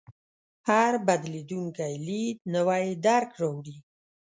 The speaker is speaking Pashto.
هر بدلېدونکی لید نوی درک راوړي.